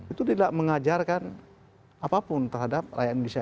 itu tidak mengajarkan apapun terhadap rakyat indonesia